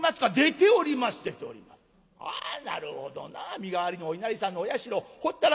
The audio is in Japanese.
身代わりのお稲荷さんのお社をほったらかし。